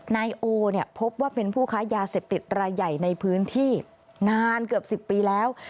นายโอเนี่ยพบว่าเป็นผู้ค้ายาเสพติดรายใหญ่ในพื้นที่นานเกือบ๑๐ปีแล้ว